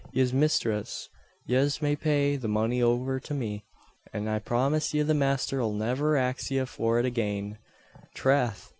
Yis, misthress; yez may pay the money over to me, an I promise ye the masther 'll niver axe ye for it agane. Trath!